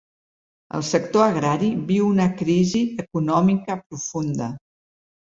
El sector agrari viu una crisi econòmica profunda.